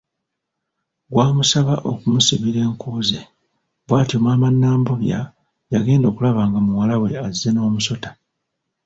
Gwamusaba okumusibira enku ze, bwatyo Maama Nambobya yagenda okulaba nga muwala we azze n’omusota.